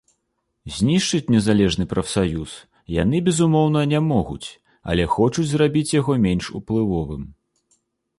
Знішчыць незалежны прафсаюз яны, безумоўна, не могуць, але хочуць зрабіць яго менш уплывовым.